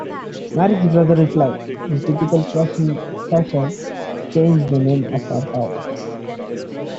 The Marx Brothers replied, in typical Marx fashion, Change the name of your town.